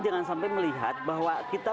jangan sampai melihat bahwa kita